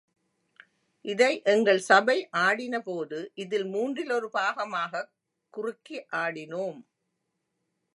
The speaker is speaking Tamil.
இதை எங்கள் சபை ஆடின போது, இதில் மூன்றிலொரு பாகமாகக் குறுக்கி ஆடினோம்.